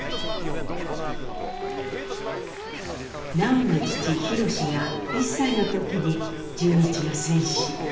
南朋の父宏が１歳の時に潤一が戦死。